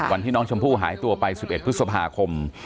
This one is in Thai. วันที่น้องชมพู่หายตัวไป๑๑พฤษภาคม